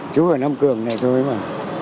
chú ở nam cường này thôi mà